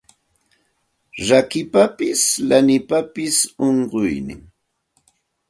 Rakapapas lanipapas unquynin